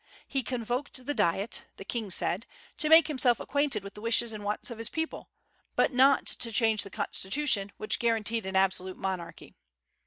He convoked the Diet, the king said, to make himself acquainted with the wishes and wants of his people, but not to change the constitution, which guaranteed an absolute monarchy.